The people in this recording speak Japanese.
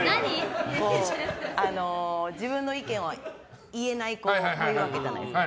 自分の意見を言えない子もいるわけじゃないですか。